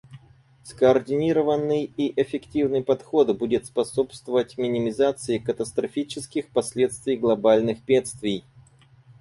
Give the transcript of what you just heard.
Скоординированный и эффективный подход будет способствовать минимизации катастрофических последствий глобальных бедствий.